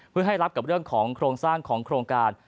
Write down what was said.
เพื่อให้รับกับเรื่องของโครงสร้างของโครงการ